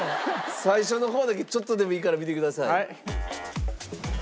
最初の方だけちょっとでもいいから見てください。